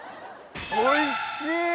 おいしい！